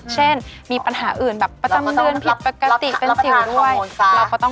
ใช่แหละแม่แน่นอนแน่นอน